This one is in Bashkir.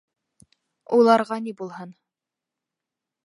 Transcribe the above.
Уларға ни булһын!